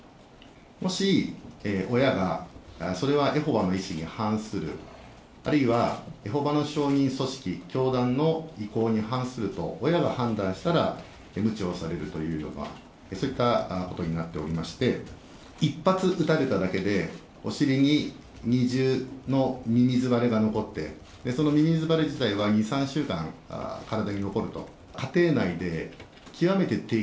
もし、親がそれはエホバの意思に反する、あるいはエホバの証人組織、教団の意向に反すると親が判断したらむちをされるというような、そういったことになっておりまして、一発打たれただけで、お尻に二重のみみず腫れが残ってそのみみず腫れ自体は２、３週間体に残ると。